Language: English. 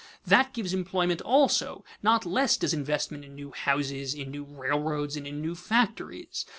That gives employment also; not less does investment in new houses, in new railroads, and in new factories.